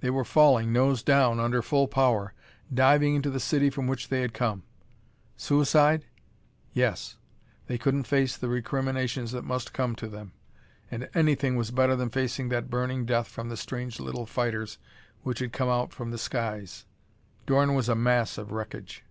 They were falling, nose down, under full power; diving into the city from which they had come. Suicide? Yes. They couldn't face the recriminations that must come to them. And anything was better than facing that burning death from the strange little fighters which had come from out the skies. Dorn was a mass of wreckage.